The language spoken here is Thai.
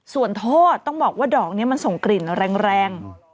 ส่วนโทษต้องบอกว่าดอกนี้มันส่งกลิ่นแรง